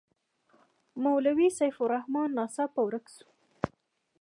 مولوي سیف الرحمن ناڅاپه ورک شو.